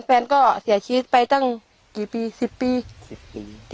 แฟนก็เสียชีสไปตั้งกี่ปีสิบปีสิบปีสิบปี